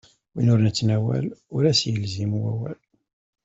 Win ur nettnawal, ur as-ilzim wawal.